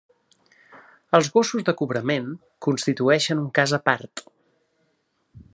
Els gossos de cobrament constitueixen un cas a part.